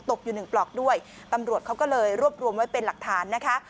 อยู่หนึ่งปลอกด้วยตำรวจเขาก็เลยรวบรวมไว้เป็นหลักฐานนะคะ